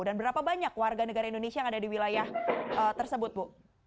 dan berapa banyak warga negara indonesia yang ada di wilayah tersebut bu